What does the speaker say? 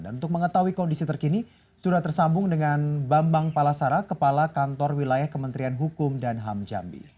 dan untuk mengetahui kondisi terkini sudah tersambung dengan bambang palasara kepala kantor wilayah kementerian hukum dan ham jambi